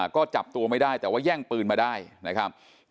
ก็จับตัวไม่ได้แต่ว่าแย่งปืนมาได้นะครับ